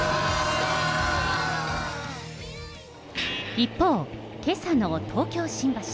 一方、けさの東京・新橋。